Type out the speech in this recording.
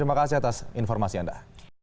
masih atas informasi anda